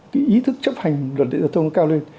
cái ý thức chấp hành luật địa phương nó cao lên